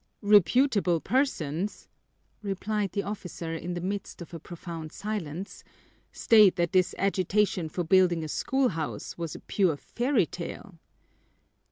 "Reputable persons," replied the officer in the midst of a profound silence, "state that this agitation for building a schoolhouse was a pure fairy tale."